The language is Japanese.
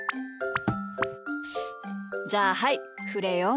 じゃあはいクレヨン。